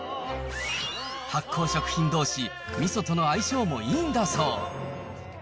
発酵食品どうし、みそとの相性もいいんだそう。